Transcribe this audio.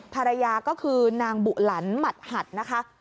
ภรรยาก็คือนางบุหลันหมัดหัดนะคะ